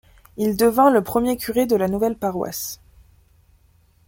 Il devint le premier curé de la nouvelle paroisse.